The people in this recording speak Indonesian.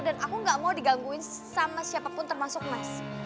dan aku gak mau digangguin sama siapa pun termasuk mas